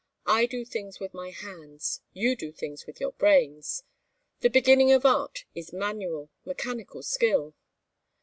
I do things with my hands, you do things with your brains. The beginning of art is manual, mechanical skill.